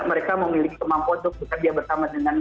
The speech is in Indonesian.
mereka memiliki kemampuan untuk bekerja bersama dengannya